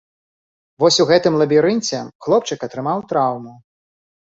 Вось у гэтым лабірынце хлопчык атрымаў траўму.